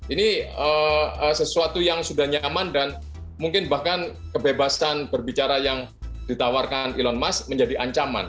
ini sesuatu yang sudah nyaman dan mungkin bahkan kebebasan berbicara yang ditawarkan elon musk menjadi ancaman